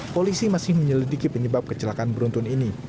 polisi masih menyelidiki penyebab kecelakaan beruntun ini